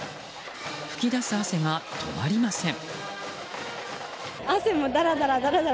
噴き出す汗が止まりません。